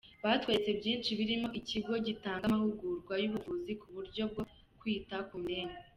batweretse byinshi birimo ikigo gitanga amahugurwa y’ubuvuzi ku buryo bwo kwita ku ndembe.